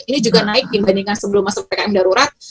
ini juga naik dibandingkan sebelum masuk pkm darurat